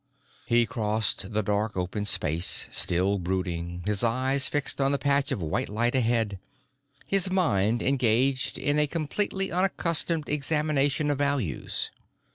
He crossed the dark open space, still brooding, his eyes fixed on the patch of white light ahead, his mind engaged in a completely unaccustomed examination of values.